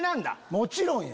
もちろんや。